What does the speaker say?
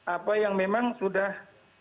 apa yang memang sudah